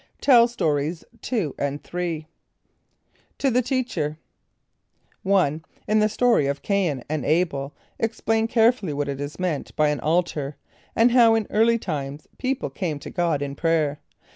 (Tell Stories 2 and 3.) =To the Teacher:= 1. In the story of C[=a]in and [=A]´b[)e]l, explain carefully what is meant by "an altar"; and how in early times people came to God in prayer.